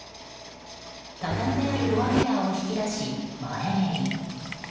畳んであるドアミラーを引き出し前蹴り。